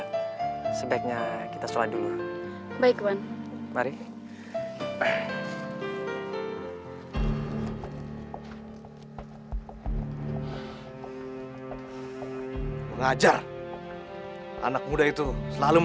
nggak apa apa yang marah marah sama gue